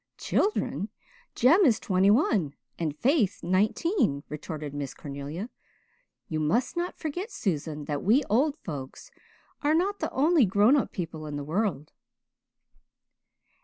"Children! Jem is twenty one and Faith is nineteen," retorted Miss Cornelia. "You must not forget, Susan, that we old folks are not the only grown up people in the world."